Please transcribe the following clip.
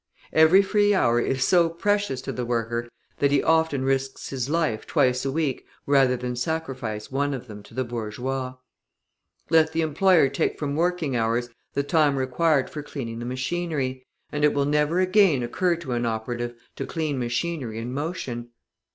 Every free hour is so precious to the worker that he often risks his life twice a week rather than sacrifice one of them to the bourgeois. Let the employer take from working hours the time required for cleaning the machinery, and it will never again occur to an operative to clean machinery in motion.